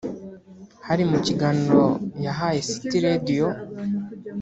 hari mu kiganiro yahaye City Radio